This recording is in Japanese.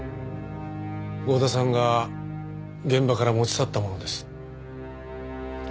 剛田さんが現場から持ち去ったものです。